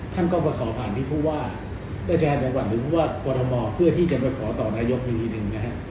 ท่านก็มาขอผ่านที่ผู้ว่าราชการจังหวัดหรือผู้ว่ากรทมเพื่อที่จะไปขอต่อนายกอีกทีหนึ่งนะฮะ